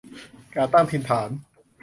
การตั้งถิ่นฐาน